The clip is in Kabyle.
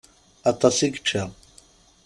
Aṭas i yečča.